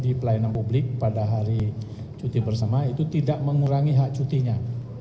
di pelayanan publik pada hari cuti bersama itu tidak mengurangi hak cutinya